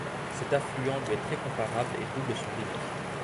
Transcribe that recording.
Cet affluent lui est très comparable et double son débit.